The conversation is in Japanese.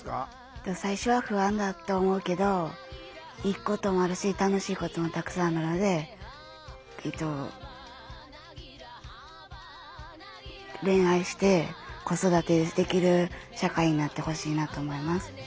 最初は不安だと思うけどいいこともあるし楽しいこともたくさんあるので恋愛して子育てできる社会になってほしいなと思います。